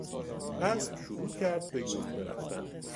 اسب شروع کرد به یورتمه رفتن.